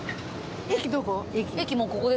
駅どこ？